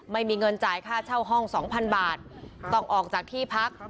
ไม่มีเงินจ่ายค่าเช่าห้อง๒๐๐บาทต้องออกจากที่พัก